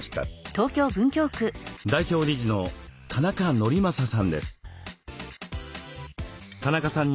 代表理事の田中法昌さんです。